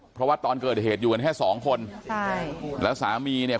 เพราะว่าตอนเกิดเหตุอยู่กันแค่สองคนใช่แล้วสามีเนี่ย